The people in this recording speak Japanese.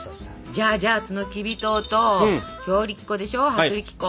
じゃあじゃあそのきび糖と強力粉でしょ薄力粉。